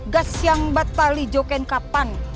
gas yang batali joken kapan